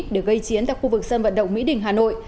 để gây chiến tại khu vực sân vận động mỹ đình hà nội